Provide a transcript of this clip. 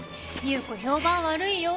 優子評判悪いよ。